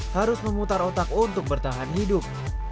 harus memutar otak untuk bertahan hidup